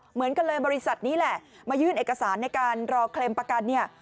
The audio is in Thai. เหมือนกันเลยบริษัทนี้แหละมายื่นเอกสารในการรอเคลมประกันเนี่ย